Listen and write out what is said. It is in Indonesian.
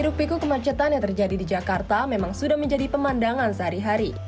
truk piku kemacetan yang terjadi di jakarta memang sudah menjadi pemandangan sehari hari